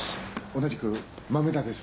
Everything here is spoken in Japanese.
同じく豆田です。